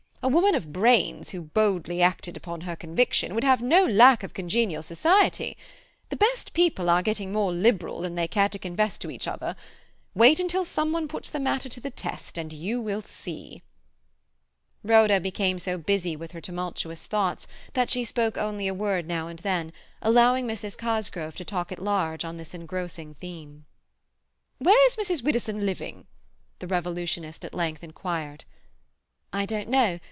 A woman of brains who boldly acted upon her conviction would have no lack of congenial society. The best people are getting more liberal than they care to confess to each other. Wait until some one puts the matter to the test and you will see." Rhoda became so busy with her tumultuous thoughts that she spoke only a word now and then, allowing Mrs. Cosgrove to talk at large on this engrossing theme. "Where is Mrs. Widdowson living?" the revolutionist at length inquired. "I don't know.